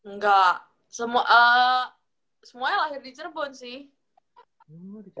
enggak semuanya lahir di cirebon sih